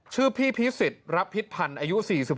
ชื่อพี่พิษศิษฐ์รับพิทธิ์ภัณฑ์อายุ๔๖ปี